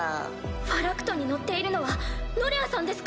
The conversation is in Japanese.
ファラクトに乗っているのはノレアさんですか？